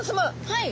はい。